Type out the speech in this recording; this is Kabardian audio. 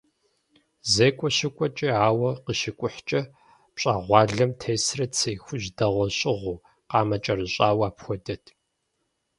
Зекӏуэ щыкӏуэкӏи, ауэ къыщикӏухькӏи, пщӏэгъуалэм тесрэ цей хужь дэгъуэ щыгъыу, къамэ кӏэрыщӏауэ апхуэдэт.